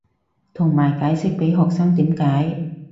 同埋解釋被學生點解